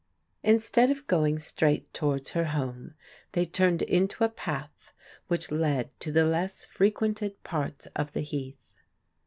Instead of going straight towards her home, they turned into a path which led to the less frequented parts of the Heath.